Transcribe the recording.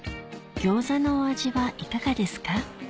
餃子のお味はいかがですか？